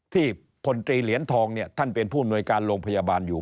พลตรีเหรียญทองเนี่ยท่านเป็นผู้อำนวยการโรงพยาบาลอยู่